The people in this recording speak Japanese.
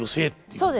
そうです。